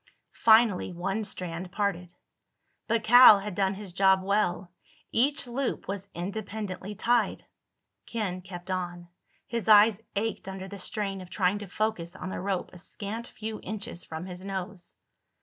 Finally one strand parted. But Cal had done his job well. Each loop was independently tied. Ken kept on. His eyes ached under the strain of trying to focus on the rope a scant few inches from his nose.